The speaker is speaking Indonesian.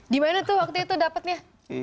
di mana tuh waktu itu dapatnya